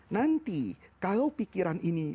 nanti kalau pikiran ini